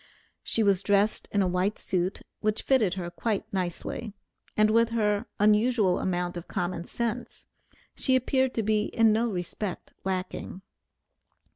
She was dressed in a new suit, which fitted her quite nicely, and with her unusual amount of common sense, she appeared to be in no respect lacking.